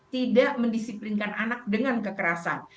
tidak mendisiplinkan anak dengan kekerasan